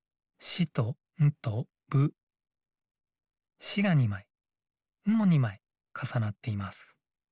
「し」が２まい「ん」も２まいかさなっています。